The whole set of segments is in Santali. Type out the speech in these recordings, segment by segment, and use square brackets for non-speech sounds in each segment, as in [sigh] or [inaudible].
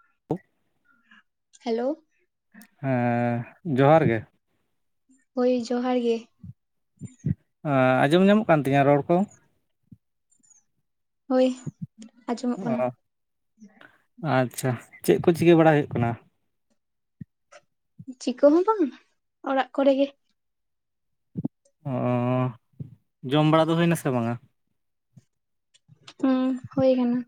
[unintelligible] [inaudible] ᱦᱮᱞᱳ, ᱮᱸ ᱡᱚᱦᱟᱨ ᱜᱮ᱾ ᱦᱳᱭ ᱡᱚᱦᱟᱨ ᱜᱮ᱾ ᱮᱸ ᱟᱸᱡᱚᱢ ᱧᱟᱢᱚᱜ ᱠᱟᱱ ᱛᱤᱧᱟᱹ ᱨᱚᱲ ᱠᱚ? ᱦᱳᱭ ᱟᱸᱡᱚᱢᱚᱜ ᱠᱟᱱᱟ᱾ ᱚ ᱟᱪᱪᱷᱟ ᱪᱮᱫ ᱠᱚ ᱪᱤᱠᱟᱹ ᱵᱟᱲᱟᱭ ᱦᱳᱭᱩᱜ ᱠᱟᱱᱟ? ᱪᱤᱠᱟᱹ ᱦᱚᱸ ᱵᱟᱝ ᱚᱲᱟᱜ ᱠᱚᱨᱮ ᱜᱮ᱾ ᱚᱸ ᱡᱚᱢ ᱵᱟᱲᱟ ᱫᱚ ᱦᱳᱭᱱᱟ ᱥᱮ ᱵᱟᱝᱟ? ᱦᱸ ᱦᱳᱭ ᱠᱟᱱᱟ᱾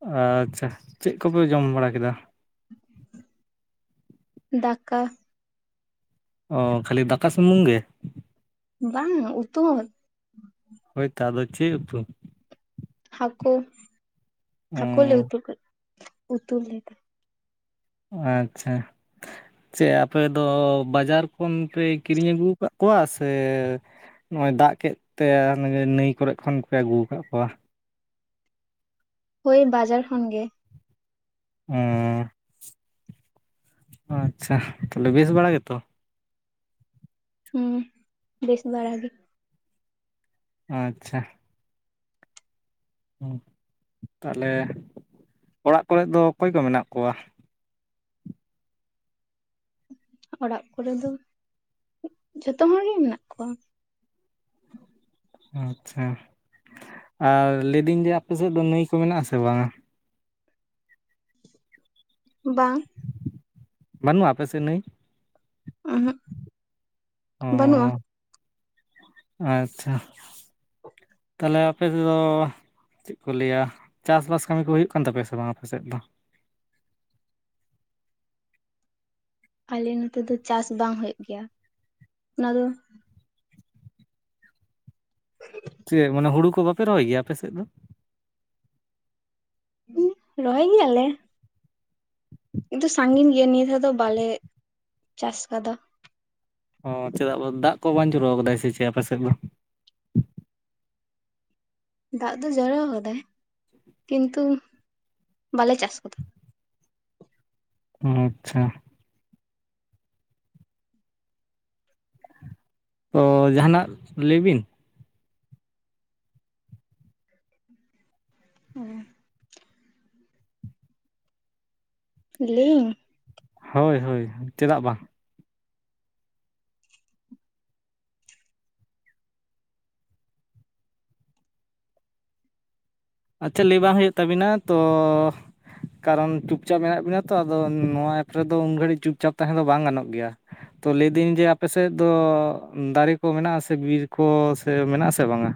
ᱟᱪᱪᱷᱟ, ᱪᱮᱫ ᱠᱚᱯᱮ ᱡᱚᱢ ᱵᱟᱲᱟ ᱠᱮᱫᱟ? ᱫᱟᱠᱟ, ᱚ ᱠᱷᱟᱹᱞᱤ ᱫᱟᱠᱟ ᱥᱩᱢᱩᱝ ᱜᱮ? ᱵᱟᱝ ᱩᱛᱩ ᱦᱚᱸ᱾ ᱦᱳᱭ ᱛᱚ ᱟᱫᱚ ᱪᱮᱫ ᱩᱛᱩ ᱦᱟᱠᱩ, ᱦᱟᱠᱩ ᱞᱮ ᱚᱸ ᱩᱛᱩ ᱠᱮᱫ, ᱩᱛᱩ ᱞᱮᱫᱟ᱾ ᱟᱪᱪᱷᱟ ᱪᱮᱫ ᱟᱯᱮ ᱫᱚ ᱵᱟᱡᱟᱨ ᱠᱷᱚᱱ ᱯᱮ ᱠᱤᱨᱤᱧ ᱟᱹᱜᱩ ᱟᱠᱟᱫ ᱠᱚᱣᱟ ᱥᱮ ᱱᱚᱜᱼᱚᱭ ᱫᱟᱜ ᱠᱮᱫ ᱛᱮ ᱱᱟᱹᱭ ᱠᱚᱨᱮ ᱠᱷᱚᱱ ᱯᱮ ᱟᱹᱜᱩ ᱟᱠᱟᱫ ᱠᱚᱣᱟ᱾ ᱦᱳᱭ ᱵᱟᱡᱟᱨ ᱠᱷᱚᱱ ᱜᱮ᱾ ᱦᱮᱸ ᱚ ᱟᱪᱪᱷᱟ ᱛᱟᱦᱚᱞᱮ ᱵᱮᱹᱥ ᱵᱟᱲᱟ ᱜᱮᱛᱚ ᱾ ᱦᱩᱸ ᱵᱮᱹᱥ ᱵᱟᱲᱟ ᱜᱮ ᱾ ᱟᱪᱪᱷᱟ ᱾ ᱛᱟᱦᱚᱞᱮ ᱚᱲᱟᱜ ᱠᱚᱨᱮ ᱫᱚ ᱚᱠᱚᱭ ᱠᱚ ᱢᱮᱱᱟᱜ ᱠᱚᱣᱟ? ᱚᱲᱟᱜ ᱠᱚᱨᱮ ᱫᱚ, ᱡᱚᱛᱚ ᱦᱚᱲᱜᱮ ᱢᱮᱱᱟᱜ ᱠᱚᱣᱟ ᱾ ᱟᱪᱪᱷᱟ ᱟᱨ ᱞᱟᱹᱭᱫᱟᱹᱧ ᱡᱮ ᱟᱯᱮ ᱥᱮᱫ ᱫᱚ ᱱᱟᱹᱭ ᱠᱚ ᱢᱮᱱᱟᱜᱼᱟ ᱥᱮ ᱵᱟᱝᱟ? ᱵᱟᱝ ᱾ ᱵᱟᱹᱱᱩᱜ-ᱟ ᱟᱯᱮ ᱥᱮᱫ ᱱᱟᱹᱭ? ᱩᱸᱦᱩᱜ ᱚ ᱵᱟᱹᱱᱩᱜᱼᱟ ᱾ ᱟᱪᱪᱷᱟ, ᱛᱟᱦᱞᱮ ᱟᱯᱮ ᱛᱮᱫᱚ ᱪᱮᱫ ᱠᱚ ᱞᱟᱹᱭᱟ ᱪᱟᱥᱵᱟᱥ ᱠᱟᱹᱢᱤ ᱠᱚ ᱦᱩᱭᱩᱜ ᱠᱟᱱ ᱛᱟᱯᱮᱭᱟ ᱥᱮ ᱵᱟᱝ ᱟᱯᱮ ᱥᱮᱫ ᱫᱚ? ᱟᱞᱮ ᱱᱚᱛᱮ ᱫᱚ ᱪᱟᱥ ᱵᱟᱝ ᱦᱩᱭᱩᱜ ᱜᱮᱭᱟ ᱾ ᱚᱱᱟ ᱫᱚ [unintelligible] ᱪᱮᱫ ᱢᱟᱱᱮ ᱦᱩᱲᱩ ᱠᱚ ᱵᱟᱯᱮ ᱨᱚᱦᱚᱭ ᱜᱮᱭᱟ ᱟᱯᱮ ᱥᱮᱫ ᱫᱚ? ᱨᱚᱦᱚᱭ ᱜᱮᱭᱟᱞᱮ᱾ ᱠᱤᱱᱛᱩ ᱥᱟᱺᱜᱤᱧ ᱜᱮᱭᱟ ᱱᱤᱭᱟᱹ ᱫᱷᱟᱣ ᱫᱚ ᱵᱟᱞᱮ [inaudible] ᱪᱟᱥ ᱠᱟᱫᱟ ᱾ ᱚ ᱪᱮᱫᱟᱜ ᱫᱟᱜ ᱠᱚ ᱵᱟᱝ ᱡᱚᱨᱚ ᱟᱠᱟᱫᱟᱭ ᱥᱮ ᱪᱮᱫ ᱟᱯᱮ ᱥᱮᱫ ᱫᱚ? ᱫᱟᱜ ᱫᱚ ᱡᱚᱨᱚ ᱟᱠᱟᱫᱟᱭ ᱠᱤᱱᱛᱩ ᱵᱟᱞᱮ ᱪᱟᱥ ᱠᱟᱫᱟ ᱾ ᱚ ᱟᱪᱪᱷᱟ ᱚ ᱡᱟᱦᱟᱸᱱᱟᱜ ᱞᱟᱹᱭ ᱵᱤᱱ, ᱦᱮᱸ ᱞᱮᱭᱤᱧ ᱦᱳᱭ ᱦᱳᱭ ᱪᱮᱫᱟᱜ ᱵᱟᱝ ᱾ ᱟᱪᱪᱷᱟ ᱞᱟᱹᱭ ᱵᱟᱝ ᱦᱩᱭᱩᱜ ᱛᱟᱵᱤᱱᱟ ᱛᱚ ᱠᱟᱨᱚᱱ ᱪᱩᱯᱪᱟᱯ ᱢᱮᱱᱟᱜ ᱵᱤᱱᱟ ᱛᱚ ᱟᱫᱚ ᱱᱚᱣᱟ ᱮᱯ ᱨᱮᱫᱚ ᱩᱱ ᱜᱷᱟᱹᱲᱤᱡ ᱪᱩᱯᱪᱟᱯ ᱛᱟᱦᱮᱸ ᱫᱚ ᱵᱟᱝ ᱜᱟᱱᱚᱜ ᱜᱮᱭᱟ ᱾ ᱛᱚ ᱞᱟᱹᱭᱫᱟᱹᱧ ᱡᱮ ᱟᱯᱮ ᱥᱮᱫ ᱫᱚ ᱫᱟᱨᱮᱹ ᱠᱚ ᱢᱮᱱᱟᱜᱼᱟᱥᱮ ᱵᱤᱨ ᱠᱚ ᱥᱮ ᱢᱮᱱᱟᱜ ᱟᱥᱮ ᱵᱟᱝᱟ?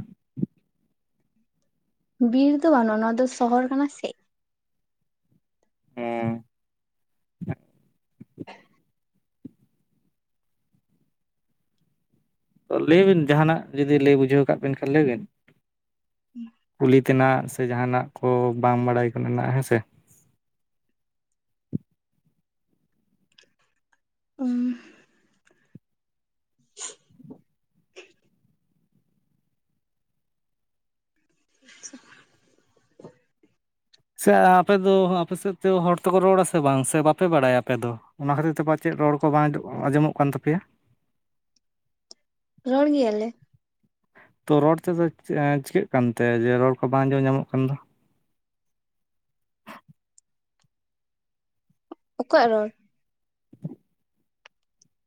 ᱵᱤᱨ ᱫᱚ ᱵᱟᱹᱱᱩᱜᱼᱟ, ᱱᱚᱣᱟ ᱫᱚ ᱥᱚᱦᱚᱨ ᱠᱟᱱᱟ ᱥᱮ ᱾ ᱚᱻ [unintelligible] ᱞᱟᱹᱭ ᱵᱤᱱ ᱡᱟᱦᱟᱸᱱᱟᱜ ᱡᱩᱫᱤ ᱞᱟᱹᱭ ᱵᱩᱡᱷᱟᱹᱣ ᱠᱟᱜ ᱵᱤᱱ ᱠᱷᱟᱱ ᱞᱟᱹᱭ ᱵᱤᱱ ᱾ ᱠᱩᱞᱤ ᱛᱮᱱᱟᱜ ᱥᱮ ᱡᱟᱦᱟᱸᱱᱟᱜ ᱠᱚ ᱵᱟᱝ ᱵᱟᱲᱟᱭ ᱠᱟᱱᱟ ᱦᱮᱸ ᱥᱮ ᱾ ᱩᱻ ᱟᱪᱪᱷᱟ ᱾ ᱥᱮ ᱟᱯᱮᱫᱚ ᱟᱯᱮ ᱥᱮᱫ ᱛᱮ ᱦᱚᱲ ᱛᱮᱠᱚ ᱨᱚᱲᱟ ᱥᱮ ᱵᱟᱝ ᱥᱮ ᱵᱟᱯᱮ ᱵᱟᱲᱟᱭᱟ ᱟᱯᱮ ᱫᱚ? ᱚᱱᱟ ᱠᱷᱟᱹᱛᱤᱨ ᱛᱮ ᱯᱟᱪᱮᱫ ᱨᱚᱲ ᱠᱚ ᱵᱟᱝ ᱟᱸᱡᱚᱢᱚᱜ ᱠᱟᱱ ᱛᱟᱯᱮᱭᱟ ᱾ ᱨᱚᱲ ᱜᱮᱭᱟᱞᱮ ᱾ ᱛᱚ ᱨᱚᱲ ᱛᱮᱫᱚ ᱪᱤᱠᱟᱹᱜ ᱠᱟᱱᱛᱮ ᱡᱮᱹ ᱨᱚᱲ ᱠᱚ ᱵᱟᱝ ᱟᱸᱡᱚᱢ ᱧᱟᱢᱚᱜ ᱠᱟᱱ ᱫᱚ? ᱚᱠᱚᱭᱟᱜ ᱨᱚᱲ ᱾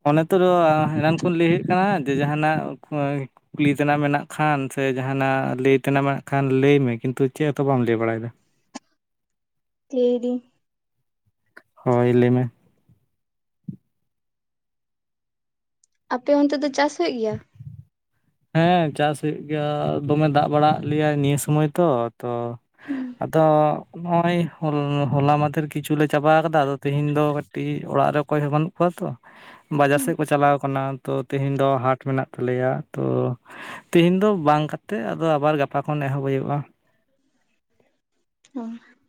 ᱚᱱᱮ ᱛᱚᱫᱚ ᱮᱱᱟᱱ ᱠᱷᱚᱱ ᱞᱟᱹᱭ ᱦᱩᱭᱩᱜ ᱠᱟᱱᱟ ᱡᱮ ᱡᱟᱸᱦᱟᱱᱟᱜ ᱠᱷᱚᱭ ᱠᱩᱞᱤ ᱛᱮᱱᱟᱜ ᱢᱮᱱᱟᱜ ᱠᱷᱟᱱ ᱥᱮ ᱡᱟᱸᱦᱟᱱᱟᱜ ᱞᱟᱹᱭ ᱛᱮᱱᱟᱜ ᱢᱮᱱᱟᱜ ᱠᱷᱟᱱ ᱞᱟᱹᱭᱢᱮ᱾ ᱠᱤᱱᱛᱩ ᱪᱮᱫ ᱦᱚᱸᱛᱚ ᱵᱟᱢ ᱞᱟᱹᱭ ᱵᱟᱲᱟᱭᱫᱟ᱾ ᱞᱟᱹᱭᱫᱤᱧ᱾ ᱦᱳᱭ ᱞᱟᱹᱭ ᱢᱮ᱾ ᱟᱯᱮ ᱚᱱᱛᱮ ᱫᱚ ᱪᱟᱥ ᱦᱩᱭᱩᱜ ᱜᱮᱭᱟ? ᱦᱮᱸ ᱪᱟᱥ ᱦᱩᱭᱩᱜ ᱜᱮᱭᱟ, ᱫᱚᱢᱮ ᱫᱟᱜ ᱵᱟᱲᱟ ᱟᱜ ᱞᱮᱭᱟ ᱱᱤᱭᱟᱹ ᱥᱩᱢᱚᱭ ᱛᱚ ᱛᱚ᱾ ᱟᱫᱚ ᱱᱚᱜ-ᱚᱭ ᱦᱚ ᱦᱚᱞᱟ ᱢᱟᱫᱷᱮᱨ ᱠᱤᱪᱷᱩᱞ ᱞᱮ ᱪᱟᱵᱟ ᱟᱠᱟᱫᱟ, ᱟᱫᱚ ᱛᱤᱦᱤᱧ ᱫᱚ ᱠᱟᱹᱴᱤᱡ ᱚᱲᱟᱜ ᱨᱮ ᱚᱠᱚᱭ ᱦᱚᱸ ᱵᱟᱹᱱᱩᱜ ᱠᱚᱣᱟ ᱛᱚ, ᱵᱟᱡᱟᱨ ᱥᱮᱫ ᱠᱚ ᱪᱟᱞᱟᱣ ᱠᱟᱱᱟ᱾ ᱛᱚ, ᱛᱤᱦᱮᱧ ᱫᱚ ᱦᱟᱴ ᱢᱮᱱᱟᱜ ᱛᱟᱞᱮᱭᱟ᱾ ᱛᱚ, ᱛᱤᱦᱤᱧ ᱫᱚ ᱵᱟᱝ ᱠᱟᱛᱮᱜ ᱟᱫᱚ ᱟᱵᱟᱨ ᱜᱟᱯᱟ ᱠᱷᱚᱱ ᱮᱦᱚᱵ ᱦᱩᱭᱩᱜ-ᱟ᱾ [unintelligible]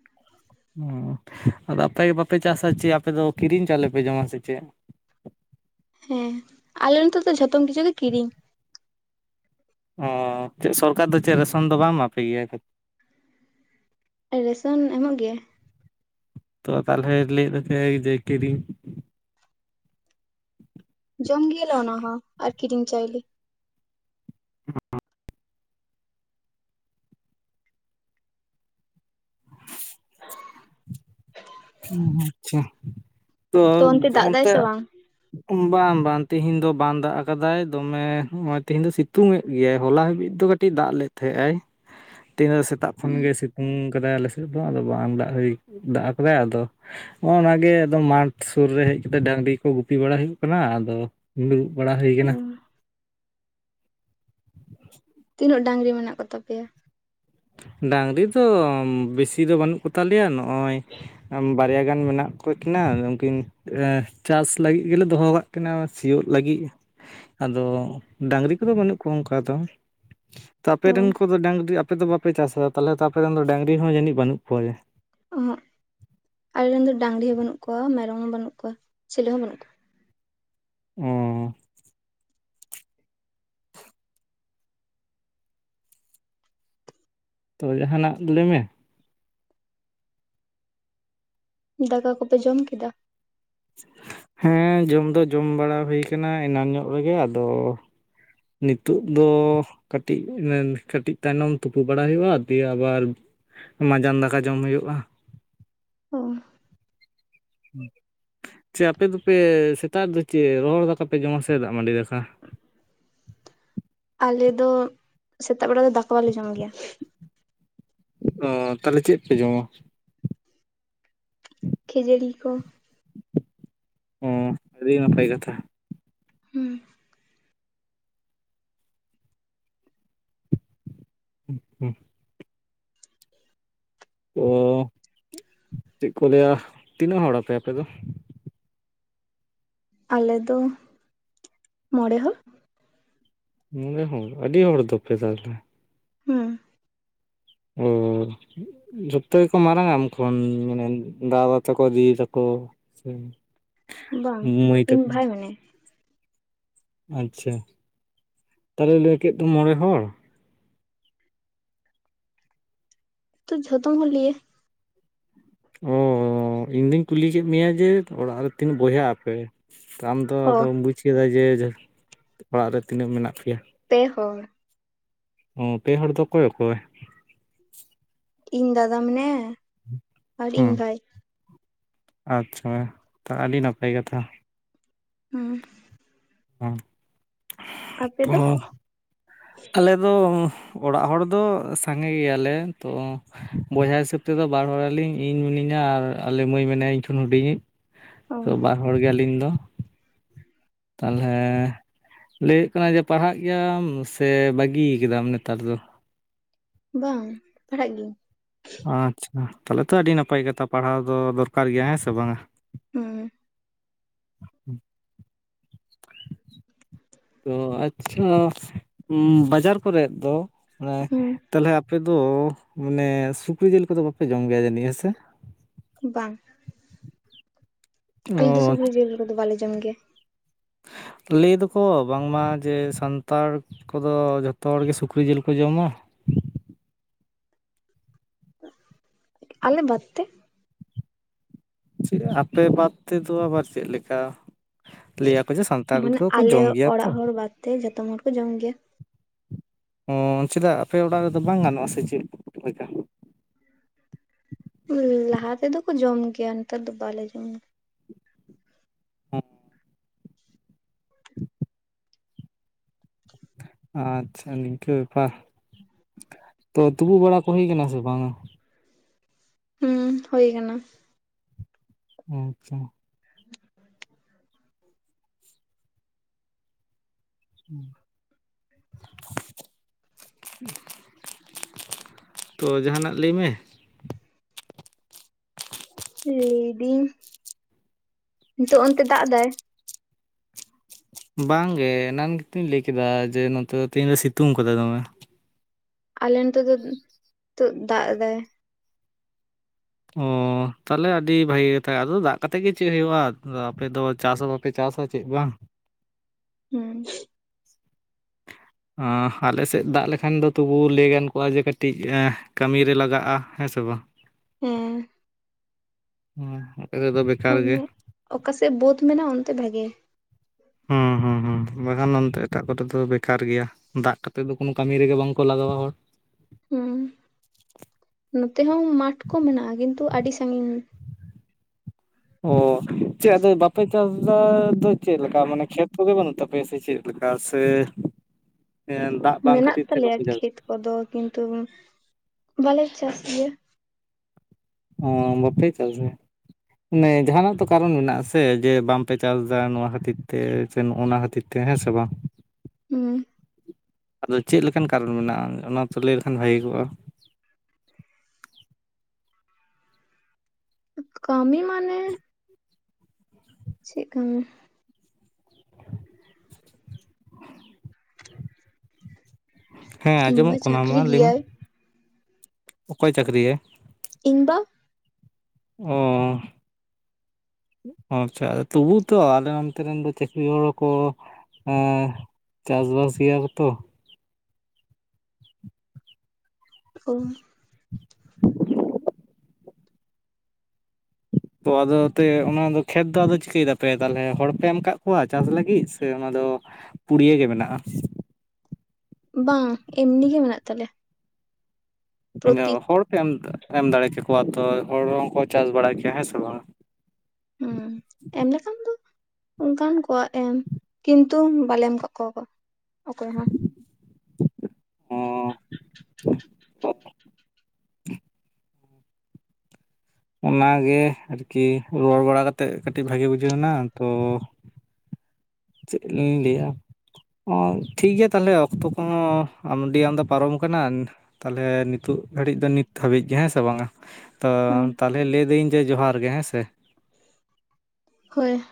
ᱩᱸᱻ ᱟᱫᱚ ᱟᱯᱮ ᱜᱮ ᱵᱟᱯᱮ ᱪᱟᱥᱟ, ᱪᱮᱫ ᱟᱯᱮ ᱫᱚ ᱠᱤᱨᱤᱧ ᱪᱟᱣᱞᱮ ᱯᱮ ᱡᱚᱢᱟ ᱥᱮ ᱪᱮᱫ? ᱦᱮᱸ ᱟᱞᱮ ᱱᱚᱛᱮ ᱫᱚ ᱡᱷᱚᱛᱚᱢ ᱠᱤᱪᱷᱩ ᱜᱮ ᱠᱤᱨᱤᱧ᱾ ᱚᱻ ᱪᱮᱫ ᱥᱚᱨᱠᱟᱨ ᱫᱚ ᱪᱮᱫ ᱨᱮᱥᱚᱱ ᱫᱚ ᱵᱟᱭ ᱮᱢᱟᱯᱮ ᱜᱮᱭᱟ? ᱨᱮᱥᱚᱱ ᱮᱢᱚᱜ ᱜᱮᱭᱟ᱾ ᱛᱚ, ᱛᱟᱞᱦᱮ ᱞᱟᱹᱭᱮᱫ ᱫᱚᱞᱮ ᱡᱮ ᱠᱤᱨᱤᱧ᱾ ᱡᱚᱢ ᱜᱮᱭᱟᱞᱮ ᱚᱱᱟ ᱦᱚᱸ ᱟᱨ ᱠᱤᱨᱤᱧ ᱪᱟᱣᱞᱮ᱾ [unintelligible] ᱟᱪᱪᱷᱟ, ᱛᱚ ᱫᱟᱜ ᱫᱟᱭ ᱚᱱᱛᱮ ᱥᱮ ᱵᱟᱝ ᱵᱟᱝ ᱵᱟᱝ, ᱛᱤᱦᱤᱧ ᱫᱚ ᱵᱟᱝ ᱫᱟᱜ ᱟᱠᱟᱫᱟᱭ ᱫᱚᱢᱮ ᱱᱚᱜ-ᱚᱭ ᱛᱤᱦᱤᱧ ᱫᱚ ᱥᱤᱛᱩᱝ ᱮᱫ ᱜᱮᱭᱟᱭ, ᱦᱚᱞᱟ ᱦᱟᱹᱵᱤᱡ ᱫᱚ ᱠᱟ ᱴᱤᱡ ᱫᱟᱜ ᱞᱮᱫ ᱛᱟᱦᱮᱸᱜ-ᱟᱭ᱾ ᱛᱤᱦᱤᱧ ᱫᱚ ᱥᱮᱛᱟᱜ ᱠᱷᱚᱱᱜᱮ ᱥᱤᱛᱩᱝ ᱠᱟᱫᱟᱭ ᱟᱞᱮ ᱥᱮᱫ ᱫᱚ᱾ ᱟᱫᱚ ᱵᱟᱝ ᱫᱟᱜ ᱦᱩᱭ ᱫᱟᱜ ᱟᱠᱟᱫᱟᱭ ᱟᱫᱚ ᱱᱚᱜ-ᱚᱱᱟᱜᱮ ᱮᱠᱫᱚᱢ ᱢᱟᱴᱷ ᱥᱩᱨ ᱨᱮ ᱦᱮᱡ ᱠᱟᱛᱮᱫ ᱰᱟᱝᱨᱤ ᱠᱚ ᱜᱩᱯᱤ ᱵᱟᱲᱟ ᱦᱩᱭᱩᱜ ᱠᱟᱱᱟ᱾ ᱟᱫᱚ ᱫᱩᱲᱩᱵ ᱵᱟᱲᱟ ᱦᱩᱭ ᱠᱟᱱᱟ᱾ ᱛᱤᱱᱟᱹᱜ ᱰᱟᱝᱨᱤ ᱢᱮᱱᱟᱜ ᱠᱚ ᱛᱟᱯᱮᱭᱟ? ᱰᱟᱝᱨᱤ ᱫᱚ ᱵᱤᱥᱤ ᱫᱚ ᱵᱟᱹᱱᱩᱜ ᱠᱚᱛᱟᱞᱮᱭᱟ ᱱᱚᱜ-ᱚᱭ ᱵᱟ ᱵᱟᱨᱭᱟ ᱜᱟᱱ ᱢᱮᱱᱟᱜ ᱠᱚ ᱠᱤᱱᱟ ᱩᱱᱠᱤᱱ ᱮᱸᱻ ᱪᱟᱥ ᱞᱟᱹᱜᱤᱫ ᱜᱮᱞᱮ ᱫᱚᱦᱚ ᱟᱠᱟᱫ ᱠᱤᱱᱟᱹ ᱥᱤᱭᱳᱜ ᱞᱟᱹᱜᱤᱫ᱾ ᱟᱫᱚ ᱰᱟᱝᱨᱤ ᱠᱚᱫᱚ ᱵᱟᱹᱱᱩᱜ ᱠᱚᱣᱟ ᱚᱝᱠᱟ ᱫᱚ᱾ ᱛᱚ ᱟᱯᱮ ᱨᱮᱱ ᱠᱚᱫᱚ ᱰᱟᱝᱨᱤ, ᱟᱯᱮ ᱫᱚ ᱵᱟᱯᱮ ᱪᱟᱥᱫᱟ ᱛᱟᱦᱞᱮ ᱛᱚ ᱟᱯᱮᱨᱮᱱ ᱫᱚ ᱰᱟᱝᱨᱤ ᱦᱚᱸ ᱡᱟᱹᱱᱤᱡ ᱵᱟᱹᱱᱩᱜ ᱠᱚᱣᱟ᱾ ᱚᱦᱚᱸᱜ, ᱟᱞᱮᱨᱮᱱ ᱫᱚ ᱰᱟᱟᱝᱨᱤ ᱦᱚᱸ ᱵᱟᱹᱱᱩᱜ ᱠᱚᱣᱟ, ᱢᱮᱨᱚᱢ ᱦᱚᱸ ᱵᱟᱹᱱᱩᱜ ᱠᱚᱣᱟ, ᱪᱤᱞᱤ ᱦᱚᱸ ᱵᱟᱹᱱᱩᱜ ᱠᱚᱣᱟ᱾ ᱚᱻ [inaudible] ᱛᱚ, ᱡᱟᱸᱦᱟᱱᱟᱜ ᱞᱟᱹᱭᱢᱮ᱾ ᱫᱟᱠᱟ ᱠᱚᱯᱮ ᱡᱚᱢ ᱠᱮᱫᱟ? ᱦᱮᱸ ᱡᱚᱢ ᱫᱚ ᱡᱚᱢ ᱵᱟᱲᱟ ᱦᱩᱭ ᱠᱟᱱᱟ ᱮᱱᱟᱱ ᱧᱚᱜ ᱨᱮᱜᱮ᱾ ᱟᱫᱚ ᱱᱤᱛᱳᱜ ᱫᱚ ᱠᱟᱹᱴᱤᱡ ᱤᱱᱟᱹᱱ ᱠᱟᱹᱴᱤᱡ ᱛᱟᱭᱱᱚᱢ ᱛᱩᱯᱩ ᱵᱟᱲᱟ ᱦᱩᱭᱩᱜ-ᱟ, ᱫᱤᱭᱮ ᱟᱵᱟᱨ ᱢᱟᱡᱟᱱ ᱫᱟᱠᱟ ᱡᱚᱢ ᱦᱩᱭᱩᱜ-ᱟ᱾ ᱚ᱾ ᱪᱮ, ᱟᱯᱮ ᱫᱚᱯᱮ ᱥᱮᱛᱟᱜ ᱨᱮ ᱫᱚ ᱪᱮᱫ ᱨᱚᱦᱚᱲ ᱫᱟᱠᱟ ᱯᱮ ᱡᱚᱢᱟ ᱥᱮ ᱫᱟᱜ ᱢᱟᱹᱰᱤ ᱫᱟᱠᱟ? ᱟᱞᱮ ᱫᱚ ᱥᱮᱛᱟᱜ ᱵᱮᱲᱟ ᱫᱚ ᱫᱟᱠᱟ ᱵᱟᱞᱮ ᱡᱚᱢ ᱜᱮᱭᱟ᱾ ᱚ, ᱛᱟᱦᱞᱮ ᱪᱮᱫ ᱯᱮ ᱡᱚᱢᱟ? ᱠᱷᱟᱹᱡᱟᱹᱲᱤ ᱠᱚ᱾ ᱚ, ᱟᱹᱰᱤ ᱱᱟᱯᱟᱭ ᱠᱟᱛᱷᱟ᱾ ᱦᱩᱸ᱾ ᱦᱩᱸ ᱦᱩᱸ᱾ ᱚ ᱪᱮᱫ ᱠᱚ ᱞᱟᱹᱭᱟ ᱛᱤᱱᱟᱹᱜ ᱦᱚᱲ ᱟᱯᱮ ᱟᱯᱮ ᱫᱚ? ᱟᱞᱮ ᱫᱚ ᱢᱚᱸᱬᱮ ᱦᱚᱲ᱾ ᱢᱚᱸᱬᱮ ᱦᱟᱲ ᱟᱹᱰᱤ ᱦᱚᱲ ᱫᱚᱯᱮ ᱛᱟᱦᱚᱞᱮᱼᱼ ᱦᱩᱸ᱾ ᱚᱼᱼ ᱡᱚᱛᱚ ᱜᱮᱠᱚ ᱢᱟᱨᱟᱝ ᱟ ᱟᱢ ᱠᱷᱚᱱ ᱢᱟᱱᱮ ᱫᱟᱫᱟ ᱛᱟᱠᱚ ᱫᱤᱫᱤ ᱛᱟᱠᱚᱼᱼ ᱥᱮᱼᱼ ᱵᱟᱝ ᱤᱧ ᱵᱷᱟᱭ ᱢᱮᱱᱟᱭᱟ-ᱟ᱾ ᱟᱪᱪᱷᱟ ᱛᱚᱵᱮ ᱞᱟᱹᱭ ᱠᱮᱫ ᱫᱚ ᱢᱚᱬᱮ ᱦᱚᱲᱼᱼ ᱛᱚ ᱡᱷᱚᱛᱚ ᱦᱚᱲ ᱞᱤᱭᱮᱼᱼ ᱚ ᱤᱧ ᱫᱩᱧ ᱠᱩᱞᱤ ᱠᱮᱫ ᱢᱮᱭᱟ ᱡᱮ ᱚᱲᱟᱜ ᱨᱮ ᱛᱤᱱ ᱵᱚᱭᱦᱟᱜ ᱟᱯᱮ? ᱟᱢᱫᱚ ᱚ ᱟᱫᱚᱢ ᱵᱩᱡᱽ ᱠᱮᱫᱟ ᱡᱮ ᱚᱲᱟᱜ ᱨᱮ ᱛᱤᱱᱟᱹᱜ ᱢᱮᱱᱟᱜ ᱯᱮᱭᱟ? ᱯᱮ ᱦᱚᱲ᱾ ᱚ ᱯᱮ ᱦᱚᱲ ᱫᱚ ᱚᱠᱚᱭ ᱚᱠᱚᱭ? ᱤᱧ ᱫᱟᱫᱟ ᱢᱮᱱᱟᱭᱟ ᱟᱨ ᱤᱧ ᱦᱩᱸ ᱵᱷᱟᱭ᱾ ᱟᱪᱪᱷᱟ ᱛᱚ ᱟᱹᱰᱤ ᱱᱟᱯᱟᱭ ᱠᱟᱛᱷᱟ ᱾ ᱦᱩᱸ᱾ ᱦᱮᱸ ᱟᱯᱮ ᱛᱚᱼᱼ ᱫᱚ ᱟᱞᱮ ᱫᱚ ᱚᱲᱟᱜ ᱦᱚᱲ ᱫᱚ ᱥᱟᱸᱜᱮ ᱜᱮᱭᱟᱞᱮ ᱛᱚ ᱵᱚᱭᱦᱟ ᱦᱤᱥᱟᱹᱵ ᱛᱮᱫᱚ ᱵᱟᱨ ᱦᱚᱲᱟᱞᱤᱧ ᱤᱧ ᱢᱤᱱᱟᱹᱧᱟ ᱟᱨ ᱟᱞᱮ ᱢᱟᱹᱭ ᱢᱮᱱᱟᱭᱟ ᱤᱧ ᱠᱷᱚᱱ ᱦᱩᱰᱤᱧ ᱤᱡ ᱚ ᱾ ᱛᱚ ᱵᱟᱨ ᱦᱚᱲ ᱜᱮᱭᱟᱞᱤᱧ ᱫᱚ ᱾ ᱛᱟᱦᱚᱞᱮ ᱞᱟᱹᱭ ᱦᱭᱳᱜ ᱠᱟᱱᱟ ᱡᱮ ᱯᱟᱲᱦᱟᱜ ᱜᱮᱭᱟᱢ ᱥᱮ ᱵᱟᱹᱜᱤ ᱠᱮᱫᱟᱢ ᱱᱮᱛᱟᱨ ᱫᱚ? ᱵᱟᱝ ᱯᱟᱲᱦᱟᱜ ᱜᱤᱭᱟᱹᱧ ᱾ ᱟᱪᱪᱷᱟ ᱛᱟᱦᱚᱞᱮ ᱛᱚ ᱟᱹᱰᱤ ᱱᱟᱯᱟᱭ ᱠᱟᱛᱷᱟ ᱯᱟᱲᱦᱟᱣ ᱫᱚ ᱫᱚᱨᱠᱟᱨ ᱜᱮᱭᱟ ᱦᱮᱸ ᱥᱮ ᱵᱟᱝᱟ ᱾ ᱦᱩᱸ᱾ ᱦᱮᱸ [unintelligible] ᱛᱚ ᱟᱪᱪᱷᱟ ᱵᱟᱡᱟᱨ ᱠᱚᱨᱮ ᱫᱚ ᱦᱩᱸ ᱛᱟᱦᱚᱞᱮ ᱟᱯᱮ ᱫᱚ ᱢᱟᱱᱮ ᱥᱩᱠᱨᱤ ᱡᱤᱞ ᱠᱚᱫᱚ ᱵᱟᱯᱮ ᱡᱚᱢ ᱜᱮᱭᱟ ᱡᱟᱹᱱᱤᱡ ᱦᱮᱸ ᱥᱮ? ᱵᱟᱝ ᱾ ᱚ ᱟᱞᱮ ᱫᱚ ᱥᱩᱠᱨᱤ ᱡᱮᱞ ᱠᱚᱫᱚ ᱵᱟᱞᱮ ᱡᱚᱢ ᱜᱮᱭᱟ ᱾ ᱞᱟᱹᱭ ᱫᱚᱠᱚ ᱵᱟᱝᱢᱟ ᱡᱮ ᱥᱟᱱᱛᱟᱲ ᱠᱚᱫᱚ ᱡᱷᱚᱛᱚ ᱦᱚᱲᱜᱮ ᱥᱩᱠᱨᱤ ᱡᱤᱞ ᱠᱚ ᱡᱚᱢᱟ ᱾ ᱟᱞᱮ ᱵᱟᱫ ᱛᱮ ᱾ ᱪᱮᱫ ᱟᱯᱮ ᱵᱟᱫ ᱛᱮᱫᱚ ᱟᱵᱟᱨ ᱪᱮᱫ ᱞᱮᱠᱟ? ᱞᱟᱹᱭᱟᱠᱚ ᱡᱮ ᱥᱟᱱᱛᱟᱲ ᱢᱟᱱᱮ ᱫᱚᱠᱚ ᱟᱞᱮ ᱡᱚᱢ ᱜᱮᱭᱟ ᱛᱚ ᱚᱲᱟᱜ ᱦᱚᱲ ᱵᱟᱫ ᱛᱮ ᱡᱚᱛᱚᱢ ᱦᱚᱲ ᱠᱚ ᱡᱚᱢ ᱜᱮᱭᱟ ᱾ ᱚ ᱪᱮᱫᱟᱜ ᱟᱯᱮ ᱚᱲᱟᱜ ᱨᱮᱫᱚ ᱵᱟᱝ ᱜᱟᱱᱚᱜᱼᱟ ᱥᱮ ᱪᱮᱫ ᱞᱮᱠᱟ? ᱞᱟᱦᱟ ᱛᱮᱫᱚ ᱠᱚ ᱡᱚᱢ ᱜᱮᱭᱟ ᱱᱮᱛᱟᱨ ᱫᱚ ᱵᱟᱞᱮ ᱡᱚᱢᱟ ᱾ [unintelligible] ᱟᱪᱪᱷᱟ ᱱᱤᱝᱠᱟᱹ ᱵᱮᱯᱟᱨ ᱛᱚ ᱛᱩᱸᱯᱩ ᱵᱟᱲᱟ ᱠᱚ ᱦᱩᱭ ᱠᱟᱱᱟ ᱥᱮ ᱵᱟᱝᱟ? ᱦᱩᱸ ᱦᱳᱭ ᱟᱠᱟᱱᱟ ᱾ ᱟᱪᱪᱷᱟ᱾ ᱦᱩᱸ [unintelligible] ᱛᱚ ᱡᱟᱦᱟᱱᱟᱜ ᱞᱟᱹᱭ ᱢᱮ? ᱞᱟᱹᱭ ᱮᱫᱤᱧ ᱱᱤᱛᱚᱜ ᱚᱱᱛᱮ ᱫᱟᱜ ᱮ ᱫᱟᱭ? ᱵᱟᱝᱜᱮ ᱮᱱᱟᱝ ᱜᱮᱛᱩᱧ ᱞᱟᱹᱭ ᱠᱮᱫᱟ ᱡᱮ ᱱᱚᱛᱮ ᱫᱚ ᱛᱮᱦᱤᱧ ᱫᱚ ᱥᱤᱛᱩᱝ ᱟᱠᱟᱫᱟ ᱫᱚᱢᱮ ᱾ ᱟᱞᱮ ᱱᱚᱛᱮ ᱫᱚᱫ ᱛᱚᱜ ᱫᱟᱜ ᱮᱫᱟᱭ ᱾ ᱚᱸᱻ ᱛᱟᱦᱮᱞᱮ ᱟᱹᱰᱤ ᱵᱷᱟᱜᱤ ᱠᱟᱛᱷᱟ ᱟᱫᱚ ᱫᱟᱜ ᱠᱟᱛᱮᱜ ᱜᱮ ᱪᱮᱜ ᱦᱩᱭᱩᱜᱼᱟ, ᱟᱫᱚ ᱟᱯᱮ ᱫᱚ ᱪᱟᱥ ᱦᱚᱸ ᱵᱟᱯᱮ ᱪᱟᱥᱼᱟ, ᱪᱮᱜ ᱵᱟᱝ ᱾ ᱦᱩᱸ᱾ ᱟᱸᱦ ᱟᱞᱮ ᱥᱮᱫ ᱫᱟᱜ ᱞᱮᱠᱷᱟᱱ ᱫᱚ ᱛᱚᱵᱩ ᱞᱟᱹᱭ ᱜᱟᱱ ᱠᱚᱜᱼᱟ ᱡᱮ ᱠᱟᱹᱴᱤᱡ ᱮᱸ ᱠᱟᱹᱢᱤ ᱨᱮ ᱞᱟᱜᱟᱜᱼᱟ, ᱦᱮᱸ ᱥᱮ ᱵᱟᱝ? ᱦᱮᱸ᱾ ᱦᱩᱸ ᱟᱯᱮ ᱫᱚ ᱟᱫᱚ ᱵᱮᱠᱟᱨ ᱟᱨ ᱜᱮ᱾ ᱚᱱᱮ ᱚᱠᱟᱥᱮᱫ ᱵᱟᱹᱫ ᱢᱮᱱᱟᱜᱼᱟ ᱚᱱᱛᱮ ᱵᱷᱟᱜᱮ᱾ ᱦᱩᱸ ᱦᱩᱸ ᱦᱩᱸ ᱦᱩᱸ, ᱵᱟᱠᱷᱟᱱ ᱚᱱᱛᱮ ᱮᱴᱟᱜ ᱠᱚᱨᱮ ᱫᱚ ᱵᱮᱠᱟᱨ ᱜᱮᱭᱟ, ᱫᱟᱜ ᱠᱟᱛᱮ ᱫᱚ ᱠᱳᱱᱳ ᱠᱟᱹᱢᱤ ᱨᱮᱜᱮ ᱵᱟᱝ ᱠᱚ ᱞᱟᱜᱟᱣᱟ ᱦᱚᱲ ᱾ ᱦᱩᱸ, ᱱᱚᱛᱮ ᱦᱚᱸ ᱢᱟᱴᱷ ᱠᱚ ᱢᱮᱱᱟᱜᱼᱟ ᱠᱤᱱᱛᱩ ᱟᱹᱰᱤ ᱥᱟᱺᱜᱤᱧ ᱾ ᱚ ᱪᱮᱜ ᱟᱫᱚ ᱵᱟᱯᱮ ᱪᱟᱥ ᱮᱫᱟ ᱫᱚ ᱪᱮᱫ ᱞᱮᱠᱟ ᱢᱟᱱᱮ ᱠᱷᱮᱛ ᱠᱚ ᱫᱚ ᱵᱟᱹᱱᱩᱜ ᱛᱟᱯᱮᱭᱟ ᱥᱮ ᱪᱮᱫ ᱞᱮᱠᱟ ᱥᱮ ᱮᱸᱫ ᱢᱮᱱᱟᱜ ᱛᱟᱞᱮᱭᱟ ᱠᱷᱮᱛ ᱠᱚᱫᱚ ᱠᱤᱱᱛᱩᱝ ᱵᱟᱞᱮ ᱪᱟᱥ ᱜᱮᱭᱟ ᱾ ᱚᱸᱻ ᱵᱟᱯᱮ ᱪᱟᱥ ᱜᱮᱭᱟ, ᱢᱟᱱᱮ ᱡᱟᱦᱟᱸᱱᱟᱜ ᱛᱚ ᱠᱟᱨᱚᱱ ᱢᱮᱱᱟᱜᱼᱟ ᱥᱮ ᱡᱮ ᱵᱟᱝ ᱯᱮ ᱪᱟᱥ ᱮᱫᱟ ᱱᱚᱣᱟ ᱠᱷᱟᱹᱛᱤᱨ ᱛᱮ ᱥᱮ ᱱᱚᱜ-ᱚ ᱱᱚᱣᱟ ᱠᱷᱟᱹᱛᱤᱨ ᱛᱮ ᱦᱮᱸ ᱥᱮ ᱵᱟᱝ? ᱦᱩᱸ, ᱟᱫᱚ ᱪᱮᱫ ᱞᱮᱠᱟᱱ ᱠᱟᱨᱚᱱ ᱢᱮᱱᱟᱜᱼᱟᱝ ᱚᱱᱟ ᱛᱚ ᱞᱟᱹᱭ ᱞᱮᱠᱷᱟᱱ ᱵᱷᱟᱹᱜᱤ ᱠᱚᱜᱼᱟ? ᱟᱸᱠ ᱠᱟᱹᱢᱤ ᱢᱟᱱᱮ ᱪᱮᱜ ᱠᱟᱹᱢᱤ? [inaudible] ᱦᱮᱸ ᱤᱧ ᱵᱟ ᱟᱸᱡᱚᱢᱚᱜ ᱠᱟᱱᱟ ᱪᱟᱠᱲᱤ ᱢᱟ ᱞᱟᱹᱭ ᱢᱮ ᱜᱮᱭᱟᱭ, ᱚᱠᱚᱭ ᱪᱟᱹᱠᱨᱤᱭᱟᱭ? ᱤᱧ ᱵᱟ᱾ ᱚᱻᱦ, ᱟᱪᱪᱷᱟ ᱟᱫᱚ ᱛᱚᱵᱩ ᱛᱚ ᱟᱞᱮ ᱱᱚᱱᱛᱮ ᱨᱮᱱ ᱫᱚ ᱪᱟᱹᱠᱨᱤ ᱦᱚᱲ ᱦᱚᱠᱚ ᱦᱚᱸ ᱪᱟᱥ ᱵᱟᱥ ᱜᱮᱭᱟ ᱠᱚ ᱛᱚ᱾ ᱚᱦ, ᱛᱚ ᱟᱫᱚ ᱮᱛᱮ ᱚᱱᱟᱫᱚ ᱠᱷᱮᱛ ᱫᱚ ᱟᱫᱚ ᱪᱤᱠᱟᱹᱭᱮᱫᱟ ᱯᱮ ᱛᱟᱞᱦᱮ ᱦᱚᱲ ᱯᱮ ᱮᱢ ᱠᱟᱜ ᱠᱚᱣᱟ ᱪᱟᱥ ᱞᱟᱹᱜᱤᱫ ᱥᱮ ᱚᱱᱟᱫᱚ ᱯᱩᱲᱭᱟᱹ ᱜᱮ ᱢᱮᱱᱟᱜᱼᱟ ᱾ ᱵᱟᱝᱼᱟᱸ, ᱮᱢᱱᱤ ᱜᱮ ᱢᱮᱱᱟᱜ ᱛᱟᱞᱮᱭᱟ ᱾ ᱤᱱᱟᱹ ᱦᱚᱲ ᱯᱮ ᱮᱢ, ᱮᱢ ᱫᱟᱲᱮ ᱠᱮᱠᱚᱣᱟ ᱛᱚ, ᱦᱚᱲ ᱨᱮᱦᱚᱸ ᱠᱚ ᱪᱟᱥ ᱵᱟᱲᱟ ᱠᱮᱭᱟ ᱦᱮᱸ ᱥᱮ ᱵᱟᱝᱼᱟ? ᱦᱩᱸ ᱮᱢ ᱞᱮᱠᱷᱟᱱ ᱫᱚ ᱚᱸᱠᱟᱱ ᱠᱚᱣᱟᱜ ᱮᱢ ᱠᱤᱱᱛᱩᱝ ᱵᱟᱞᱮ ᱮᱢ ᱟᱠᱟᱜ ᱠᱚᱣᱟ ᱠᱚ ᱚᱠᱚᱭ ᱦᱚᱸ᱾ ᱦᱚᱸ [unintelligible] ᱚᱸᱜ, ᱚᱱᱟ ᱜᱮ ᱟᱨᱠᱤ ᱨᱚᱲ ᱵᱟᱲᱟ ᱠᱟᱛᱮᱜ ᱠᱟᱹᱴᱤᱜ ᱵᱷᱟᱹᱜᱤ ᱵᱩᱡᱷᱟᱹᱣᱮᱱᱟ ᱛᱚ ᱪᱮᱜ ᱞᱤᱧ ᱞᱟᱹᱭᱟ, ᱚᱸ ᱴᱷᱤᱠ ᱜᱮᱭᱟ ᱛᱟᱦᱮᱞᱮ ᱚᱠᱛᱚ ᱠᱚᱦᱚᱸ ᱟᱢ ᱰᱤ ᱟᱢᱫᱟ ᱯᱟᱨᱚᱢ ᱟᱠᱟᱱᱟᱱ, ᱛᱟᱦᱮᱞᱮ ᱱᱤᱛᱩᱜ ᱜᱷᱟᱹᱲᱤᱡ ᱫᱚ ᱱᱤᱛ ᱦᱟᱹᱵᱤᱡ ᱜᱮ ᱦᱮᱸ ᱥᱮ ᱵᱟᱝᱼᱟ? ᱛᱚ ᱦᱩᱸ ᱛᱟᱞᱦᱮ ᱞᱟᱹᱭ ᱤᱫᱟᱹᱧ ᱡᱮ, ᱡᱚᱦᱟᱨ ᱜᱮ ᱦᱮᱸ ᱥᱮ? ᱦᱳᱭ᱾